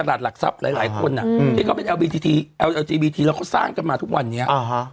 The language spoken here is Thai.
บางคนก็เป็นคู่ที่สร้างกันมาเนี่ย